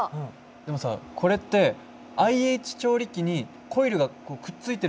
でもさこれってＩＨ調理器にコイルがくっついてるじゃん。